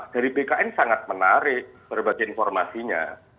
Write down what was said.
dari bkn sangat menarik berbagai informasinya